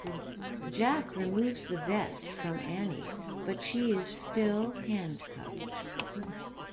Jack removes the vest from Annie, but she is still handcuffed.